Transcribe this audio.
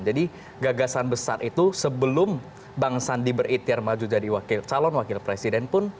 jadi gagasan besar itu sebelum bang sandi beritir maju jadi calon wakil presiden pun